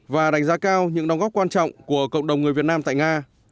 và đánh giá cao những đóng góp quan trọng của cộng đồng người việt nam tại nga